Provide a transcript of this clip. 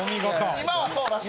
今はそうらしい。